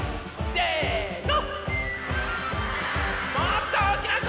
せの！